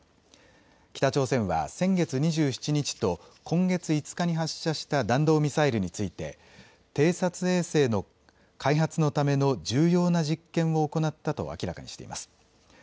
北朝鮮は先月２７日と今月５日に発射した弾道ミサイルについて偵察衛星の開発のための重要な実験を行ったと明らかにしています。